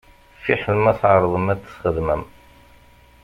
Fiḥel ma tεerḍem ad t-txedmem.